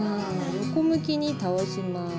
横向きに倒します。